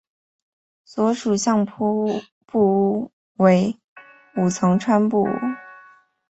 所属相扑部屋为武藏川部屋。